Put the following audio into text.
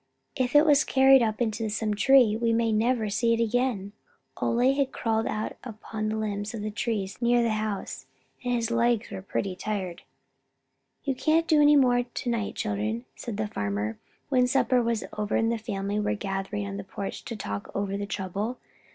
"If it was carried up into some tree, we may never see it again." Ole had crawled out upon the limbs of all the trees near the house, and his legs were pretty tired. "You can't do any more to night, children," said the farmer, when supper was over and the family were gathered on the porch to talk over the trouble.